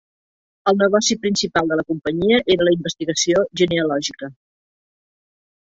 El negoci principal de la companyia era la investigació genealògica.